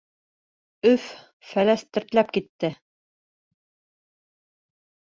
Өф-Фәләс тертләп китте.